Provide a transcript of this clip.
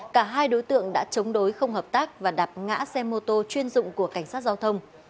cả hai đối tượng đã chống đối không hợp tác và đạp ngã xe mô tô chuyên dụng của cảnh sát giao thông